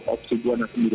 opsi buahnya sendiri